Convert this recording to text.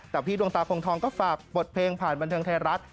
แต่พี่ดวงตาคงทองก็ฝากบทเพลงผ่านบันเทิงไทยรัฐ